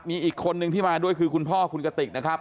มีอีกคนนึงที่มาด้วยคือคุณพ่อคุณกติกนะครับ